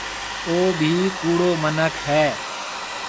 او ڀِي ڪُوڙو مِنک هيَ۔